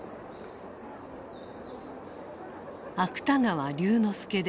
芥川龍之介である。